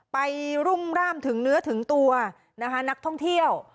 รุ่มร่ามถึงเนื้อถึงตัวนะคะนักท่องเที่ยว